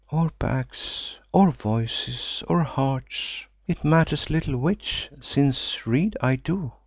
"Or backs, or voices, or hearts. It matters little which, since read I do.